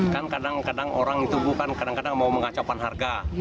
kan kadang kadang orang itu bukan kadang kadang mau mengacaukan harga